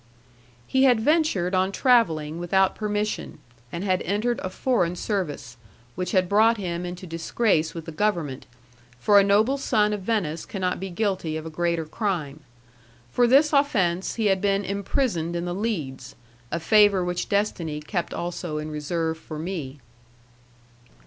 He had ventured on travelling without permission, and had entered a foreign service, which had brought him into disgrace with the government, for a noble son of Venice cannot be guilty of a greater crime. For this offence he had been imprisoned in the Leads a favour which destiny kept also in reserve for me.